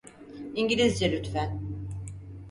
İngilizce lütfen.